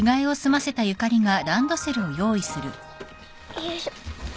よいしょ。